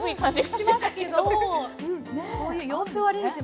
しますけどこういう洋風アレンジもいいですね。